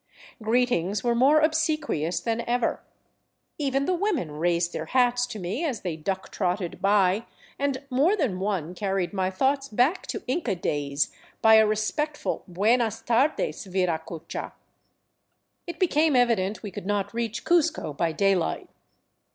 Greetings were more obsequious than ever. Even the 422 THE CITY OF THE SUN women raised their hats to me as they duck trotted by, and more than one carried my thoughts back to Inca days by a respectful " Buenas tardes, Viracocha." It became evident we could not reach Cuzco by daylight.